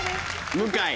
向井。